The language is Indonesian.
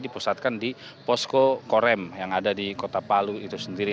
dipusatkan di posko korem yang ada di kota palu itu sendiri